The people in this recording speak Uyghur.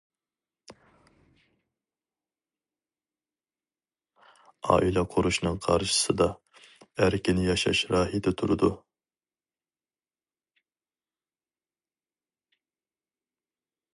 ئائىلە قۇرۇشنىڭ قارشىسىدا ئەركىن ياشاش راھىتى تۇرىدۇ.